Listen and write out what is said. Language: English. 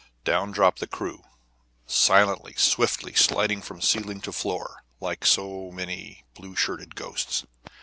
Down drop the crew, silently, swiftly, sliding from ceiling to floor like so many blue shirted ghosts.